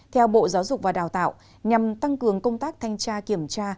theo bộ giáo dục và đào tạo nhằm tăng cường công tác thanh tra kiểm tra